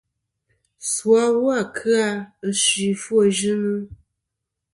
Su awu a kɨ-a ɨ suy ɨfwoyɨnɨ.